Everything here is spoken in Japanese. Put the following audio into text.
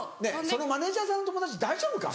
そのマネジャーさんの友達大丈夫か？